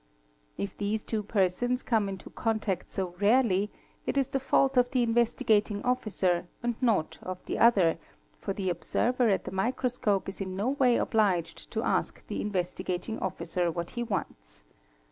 If these two persons come into contact so rarely, itis the fault of the Investigating Officer and not of the other, for the observer at the microscope is in no way obliged to ask the Investigating 188 THE MICROSCOPIST Officer what he wants.